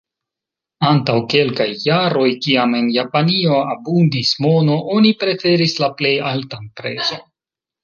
Antaŭ kelkaj jaroj, kiam en Japanio abundis mono, oni preferis la plej altan prezon.